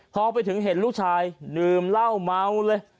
พอไปถึงเห็นลูกชายดื่มเหล้าเมาเลย